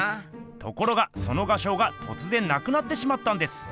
ところがその画商がとつぜんなくなってしまったんです。